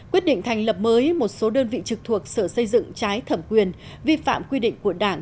quyết định thành lập mới một số đơn vị trực thuộc sở xây dựng trái thẩm quyền vi phạm quy định của đảng